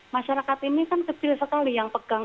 masyarakat ini kan kecil sekali yang pegang